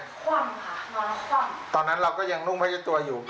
คว่ำค่ะนอนคว่ำตอนนั้นเราก็ยังนุ่มพัชตัวอยู่